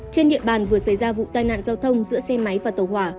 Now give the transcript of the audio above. trên địa bàn vừa xảy ra vụ tai nạn giao thông giữa xe máy và tàu hỏa